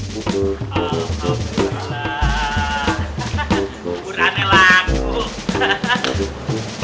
bubur aneh lagu